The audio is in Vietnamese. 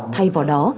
thay vào đó